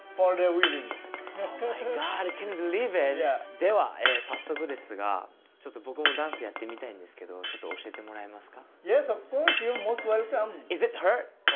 では早速ですがちょっと僕もダンスやってみたいんですけどちょっと教えてもらえますか？